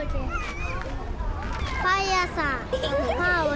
パン屋さん。